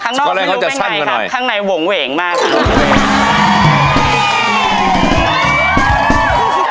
ข้างนอกไม่รู้เป็นไงครับข้างในหวงเหวงมากครับ